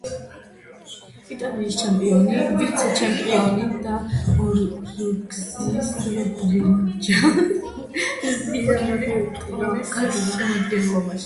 იტალიის ჩემპიონი, ვიცე-ჩემპიონი და ორგზის ბრინჯაოს პრიზიორი „ტორინოს“ შემადგენლობაში.